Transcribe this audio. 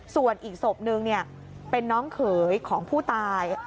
ส่วนอีกศพนึงเป็นน้องเขยของผู้ตาย